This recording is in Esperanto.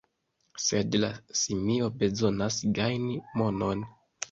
Sed la simio bezonas gajni monon.